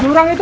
di mana tadi